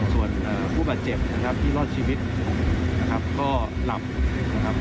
ส่วนผู้บาดเจ็บนะครับที่รอดชีวิตก็หลับ